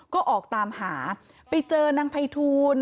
ก็ออกตามหาไปเจอนางไพทูล